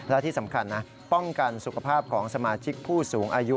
และที่สำคัญนะป้องกันสุขภาพของสมาชิกผู้สูงอายุ